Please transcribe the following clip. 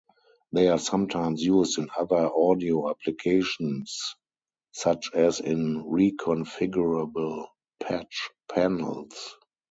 They are sometimes used in other audio applications, such as in reconfigurable patch panels.